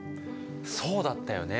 そうだったよね。